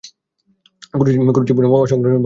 কুরুচিপূর্ণ অসংলগ্ন ভাষা পরিহার করবে।